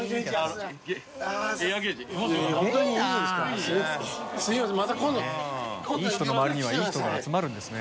いい人の周りにはいい人が集まるんですね。